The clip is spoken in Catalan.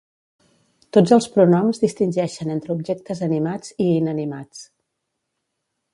Tots els pronoms distingeixen entre objectes animats i inanimats.